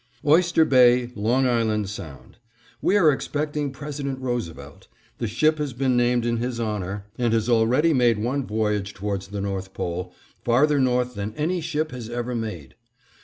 Oyster Bay, Long Island Sound: We are expecting President Roosevelt. The ship has been named in his honor and has already made one voyage towards the North Pole, farther north than any ship has ever made.